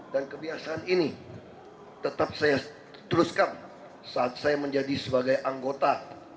dan kebiasaan ini tetap saya teruskan saat saya menjadi sebagai anggota